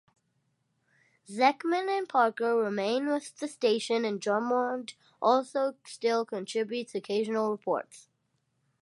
Zekman and Parker remain with the station, and Drummond also still contributes occasional reports.